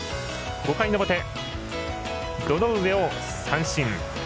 ５回の表、堂上を三振。